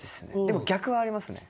でも逆はありますね。